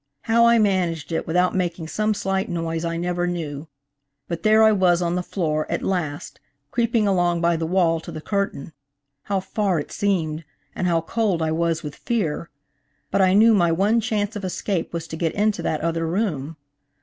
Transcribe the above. How I managed it without making some slight noise I never knew; but there I was on the floor, at last, creeping along by the wall to the curtain. How far it seemed!–and how cold I was with fear! But I knew my one chance of escape was to get into that other room.